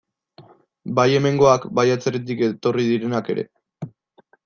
Bai hemengoak, bai atzerritik etorri direnak ere.